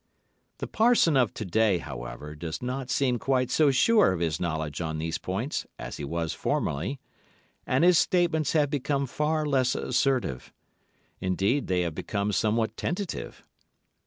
The parson of to day, however, does not seem quite so sure of his knowledge on these points as he was formerly, and his statements have become far less assertive; indeed, they have become somewhat tentative.